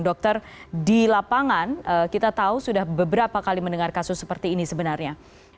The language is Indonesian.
dokter di lapangan kita tahu sudah beberapa kali mendengar kasus seperti ini sebenarnya